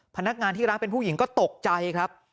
พนักงานที่ร้านเป็นผู้หญิงก็ตกใจครับ